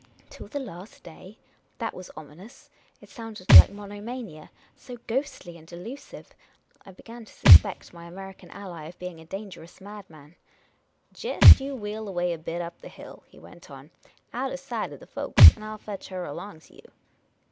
Till the last day ! That was ominous. It sounded like The Inquisitive American 72) monomania. So ghostly and elusive ! I began to suspect my American ally of being a dangerous madman. " Jest you wheel away a bit up the hill," he went on, " out o' sight of the folks, and I '11 fetch her along to you."